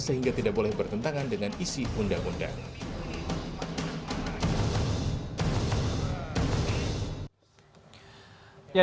sehingga tidak boleh bertentangan dengan isi undang undang